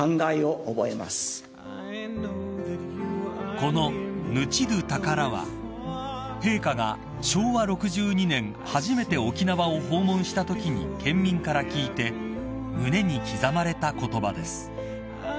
［この「ぬちどぅたから」は陛下が昭和６２年初めて沖縄を訪問したときに県民から聞いて胸に刻まれた言葉です］